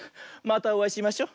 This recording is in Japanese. またおあいしましょ。